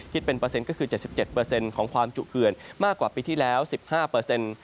คิดเป็นเปอร์เซ็นต์ก็คือ๗๗ของความจุเขื่อนมากกว่าปีที่แล้ว๑๕เปอร์เซ็นต์